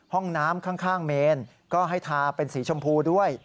ห้องน้ำข้างเมนก็ให้ทาเป็นสีชมพูด้วย